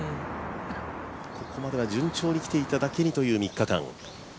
ここまでは順調に来ていただけにという３日間。